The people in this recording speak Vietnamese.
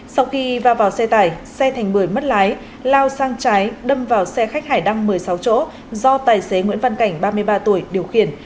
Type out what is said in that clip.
sau khi vào vào xe tải xe thành bưởi mất lái lao sang trái đâm vào xe khách hải đăng một mươi sáu chỗ do tài xế nguyễn văn cảnh ba mươi ba tuổi điều khiển